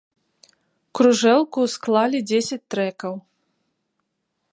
Кружэлку склалі дзесяць трэкаў.